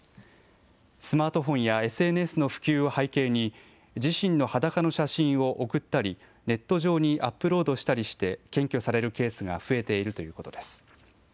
スマートフォンやＳＮＳの普及を背景に、自身の裸の写真を送ったり、ネット上にアップロードしたりして、検挙されるケースが増えているということです。